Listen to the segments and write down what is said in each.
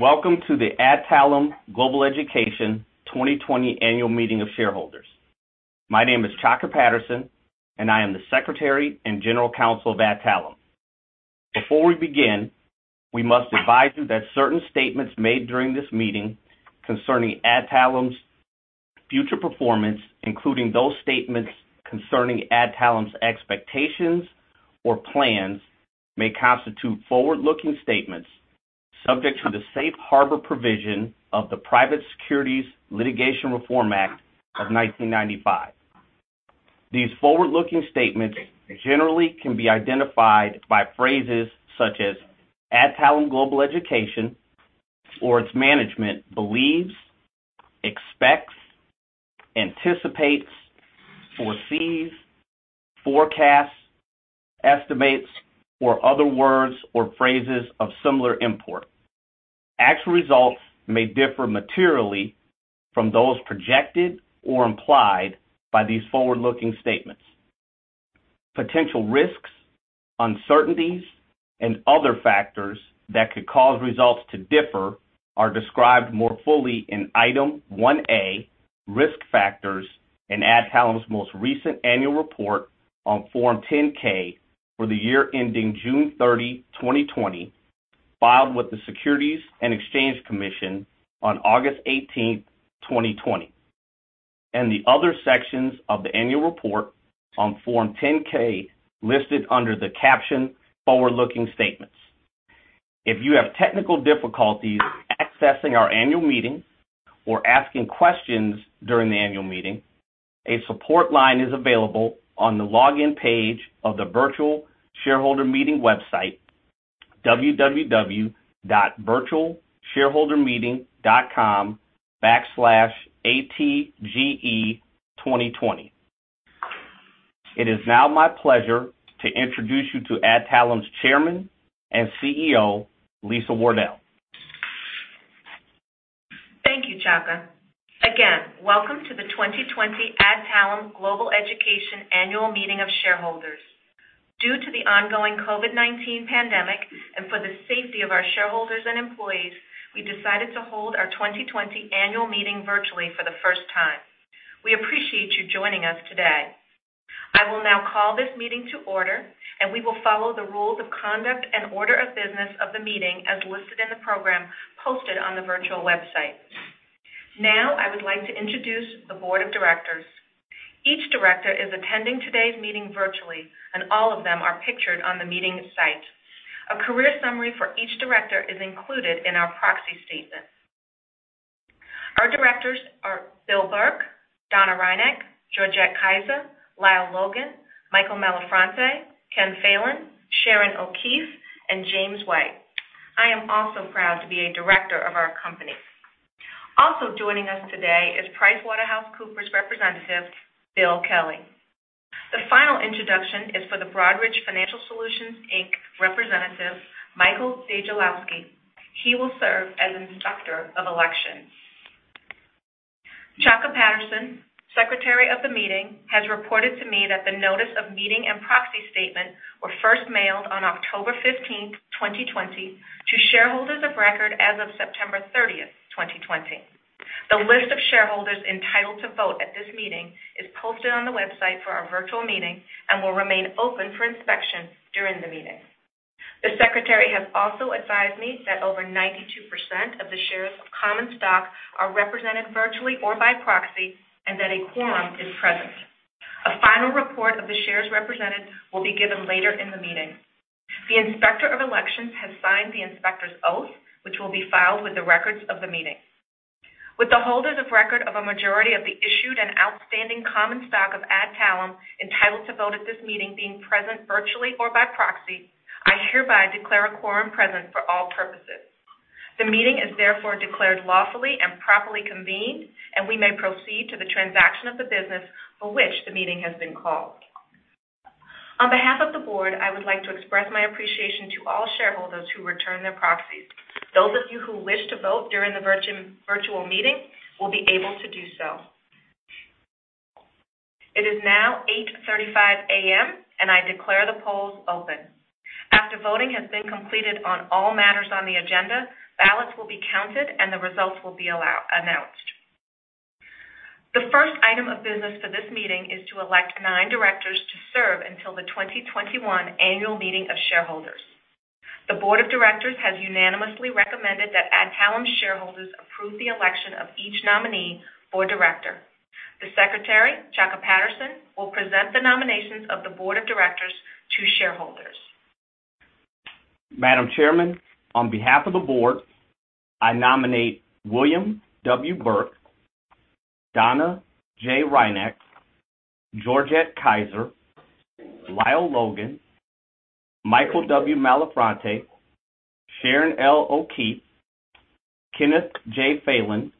Welcome to the Adtalem Global Education 2020 Annual Meeting of Shareholders. My name is Chaka Patterson, and I am the Secretary and General Counsel of Adtalem. Before we begin, we must advise you that certain statements made during this meeting concerning Adtalem's future performance, including those statements concerning Adtalem's expectations or plans, may constitute forward-looking statements subject to the safe harbor provision of the Private Securities Litigation Reform Act of 1995. These forward-looking statements generally can be identified by phrases such as Adtalem Global Education or its management believes, expects, anticipates, foresees, forecasts, estimates, or other words or phrases of similar import. Actual results may differ materially from those projected or implied by these forward-looking statements. Potential risks, uncertainties, and other factors that could cause results to differ are described more fully in Item 1A, Risk Factors, in Adtalem's most recent annual report on Form 10-K for the year ending June 30, 2020, filed with the Securities and Exchange Commission on August 18th, 2020, and the other sections of the annual report on Form 10-K listed under the caption Forward-Looking Statements. If you have technical difficulties accessing our annual meeting or asking questions during the annual meeting, a support line is available on the login page of the virtual shareholder meeting website, www.virtualshareholdermeeting.com/atge2020. It is now my pleasure to introduce you to Adtalem's Chairman and CEO, Lisa Wardell. Thank you, Chaka. Again, welcome to the 2020 Adtalem Global Education Annual Meeting of Shareholders. Due to the ongoing COVID-19 pandemic and for the safety of our shareholders and employees, we decided to hold our 2020 annual meeting virtually for the first time. We appreciate you joining us today. I will now call this meeting to order, and we will follow the rules of conduct and order of business of the meeting as listed in the program posted on the virtual website. Now, I would like to introduce the Board of Directors. Each director is attending today's meeting virtually, and all of them are pictured on the meeting site. A career summary for each director is included in our proxy statement. Our directors are Bill Burke, Donna Hrinak, Georgette Kiser, Lyle Logan, Michael Malafronte, Ken Phelan, Sharon O'Keefe, and James White. I am also proud to be a Director of our company. Also joining us today is PricewaterhouseCoopers representative, Bill Kelly. The final introduction is for the Broadridge Financial Solutions, Inc. representative, Michael D. Jalowski. He will serve as Inspector of Election. Chaka Patterson, Secretary of the meeting, has reported to me that the notice of meeting and proxy statement were first mailed on October 15th, 2020, to shareholders of record as of September 30th, 2020. The list of shareholders entitled to vote at this meeting is posted on the website for our virtual meeting and will remain open for inspection during the meeting. The Secretary has also advised me that over 92% of the shares of common stock are represented virtually or by proxy and that a quorum is present. A final report of the shares represented will be given later in the meeting. The Inspector of Election has signed the inspector's oath, which will be filed with the records of the meeting. With the holders of record of a majority of the issued and outstanding common stock of Adtalem entitled to vote at this meeting being present virtually or by proxy, I hereby declare a quorum present for all purposes. The meeting is therefore declared lawfully and properly convened, and we may proceed to the transaction of the business for which the meeting has been called. On behalf of the Board, I would like to express my appreciation to all shareholders who returned their proxies. Those of you who wish to vote during the virtual meeting will be able to do so. It is now 8:35 A.M., and I declare the polls open. After voting has been completed on all matters on the agenda, ballots will be counted, and the results will be announced. The first item of business for this meeting is to elect nine directors to serve until the 2021 annual meeting of shareholders. The Board of Directors has unanimously recommended that Adtalem shareholders approve the election of each nominee for director. The Secretary, Chaka Patterson, will present the nominations of the Board of Directors to shareholders. Madam Chairman, on behalf of the board, I nominate William W. Burke, Donna J. Hrinak, Georgette Kiser, Lyle Logan, Michael W. Malafronte, Sharon L. O'Keefe, Kenneth J. Phelan,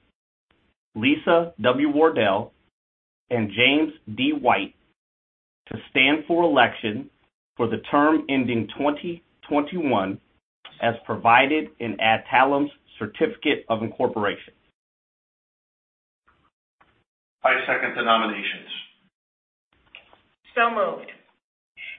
Lisa W. Wardell, and James D. White to stand for election for the term ending 2021 as provided in Adtalem's Certificate of Incorporation. I second the nominations. So moved.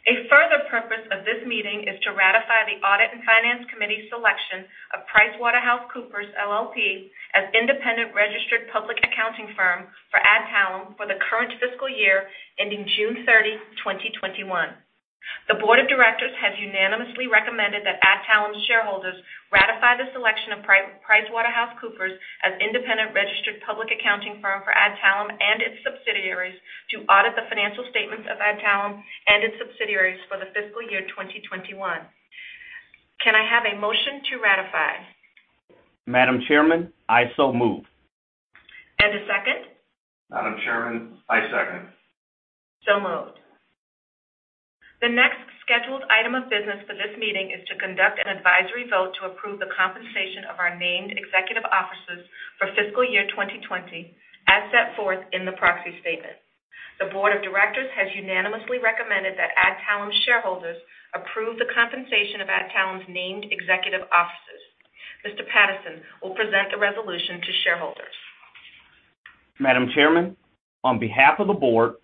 A further purpose of this meeting is to ratify the Audit and Finance Committee selection of PricewaterhouseCoopers LLP, as independent registered public accounting firm for Adtalem for the current fiscal year ending June 30, 2021. The Board of Directors has unanimously recommended that Adtalem shareholders ratify the selection of PricewaterhouseCoopers as independent registered public accounting firm for Adtalem and its subsidiaries to audit the financial statements of Adtalem and its subsidiaries for the fiscal year 2021. Can I have a motion to ratify? Madam Chairman, I so move. A second? Madam Chairman, I second. So moved. The next scheduled item of business for this meeting is to conduct an advisory vote to approve the compensation of our named executive officers for fiscal year 2020, as set forth in the proxy statement. The Board of Directors has unanimously recommended that Adtalem shareholders approve the compensation of Adtalem's named executive officers. Mr. Patterson will present the resolution to shareholders. Madam Chairman, on behalf of the board,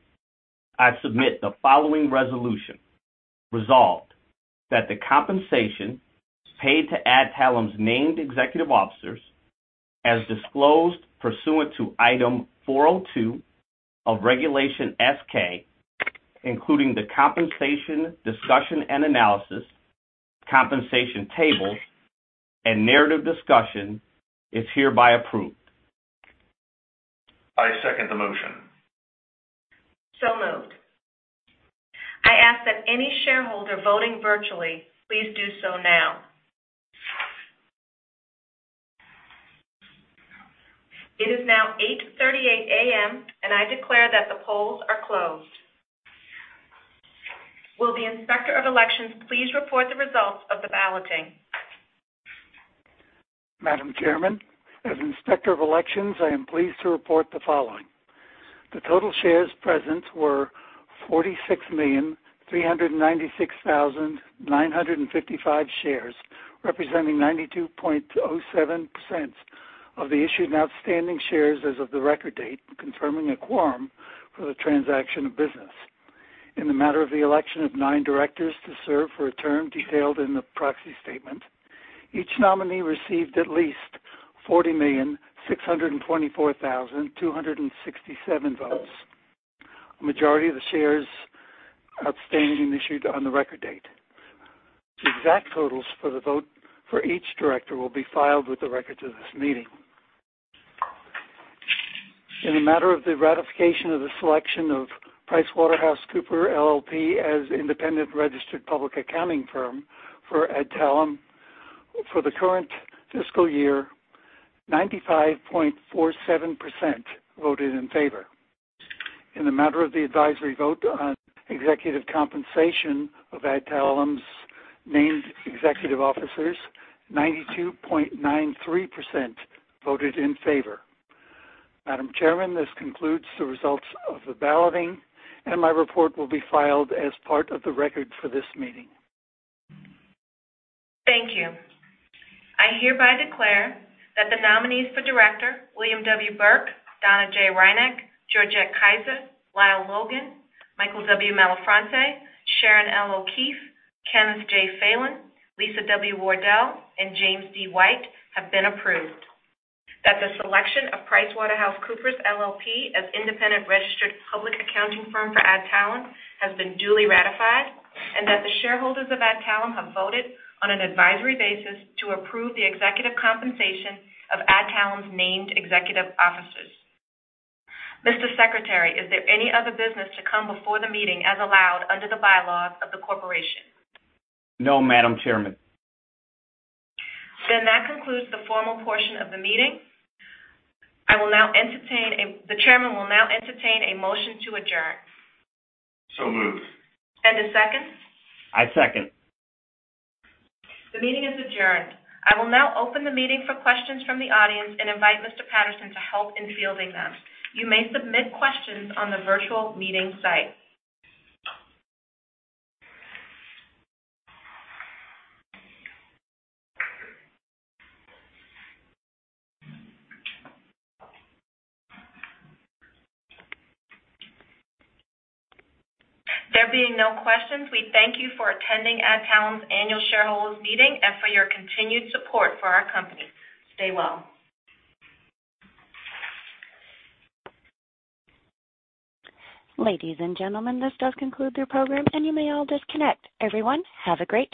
I submit the following resolution. Resolved, that the compensation paid to Adtalem's named executive officers, as disclosed pursuant to Item 402 of Regulation S-K, including the compensation discussion and analysis, compensation tables, and narrative discussion, is hereby approved. I second the motion. So moved. I ask that any shareholder voting virtually, please do so now. It is now 8:38 A.M., and I declare that the polls are closed. Will the Inspector of Election please report the results of the balloting? Madam Chairman, as Inspector of Election, I am pleased to report the following. The total shares present were 46,396,955 shares, representing 92.07% of the issued and outstanding shares as of the record date, confirming a quorum for the transaction of business. In the matter of the election of nine directors to serve for a term detailed in the proxy statement, each nominee received at least 40,624,267 votes, a majority of the shares outstanding and issued on the record date. The exact totals for the vote for each director will be filed with the records of this meeting. In the matter of the ratification of the selection of PricewaterhouseCoopers LLP as independent registered public accounting firm for Adtalem for the current fiscal year, 95.47% voted in favor. In the matter of the advisory vote on executive compensation of Adtalem's named executive officers, 92.93% voted in favor. Madam Chairman, this concludes the results of the balloting, and my report will be filed as part of the record for this meeting. Thank you. I hereby declare that the nominees for director, William W. Burke, Donna J. Hrinak, Georgette Kiser, Lyle Logan, Michael W. Malafronte, Sharon L. O'Keefe, Kenneth J. Phelan, Lisa W. Wardell, and James D. White have been approved. That the selection of PricewaterhouseCoopers LLP as independent registered public accounting firm for Adtalem has been duly ratified, and that the shareholders of Adtalem have voted on an advisory basis to approve the executive compensation of Adtalem's named executive officers. Mr. Secretary, is there any other business to come before the meeting as allowed under the bylaws of the corporation? No, Madam Chairman. That concludes the formal portion of the meeting. The Chairman will now entertain a motion to adjourn. So moved. A second? I second. The meeting is adjourned. I will now open the meeting for questions from the audience and invite Mr. Patterson to help in fielding them. You may submit questions on the virtual meeting site. There being no questions, we thank you for attending Adtalem's Annual Shareholders Meeting and for your continued support for our company. Stay well. Ladies and gentlemen, this does conclude your program. You may all disconnect. Everyone, have a great day